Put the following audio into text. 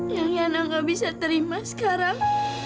yang ibu nggak bisa terima sekarang